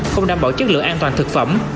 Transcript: không đảm bảo chất lượng an toàn thực phẩm